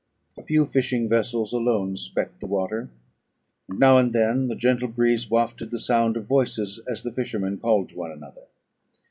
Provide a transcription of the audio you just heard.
A few fishing vessels alone specked the water, and now and then the gentle breeze wafted the sound of voices, as the fishermen called to one another.